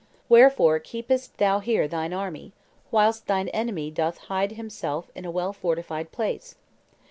Wherefore keepest thou here thine army, whilst thine enemy doth hide himself in a well fortified place?